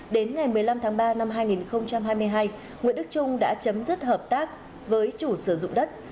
đến ngày một mươi năm tháng ba năm hai nghìn hai mươi hai nguyễn đức trung đã chấm dứt hợp tác với chủ sử dụng đất